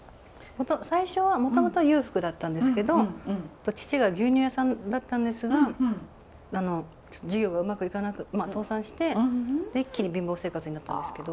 最初はもともとは裕福だったんですけど父が牛乳屋さんだったんですが事業がうまくいかなくまあ倒産して一気に貧乏生活になったんですけど。